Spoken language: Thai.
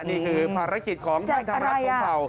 นี่คือภารกิจของท่านธรรมรัฐพรมเผ่า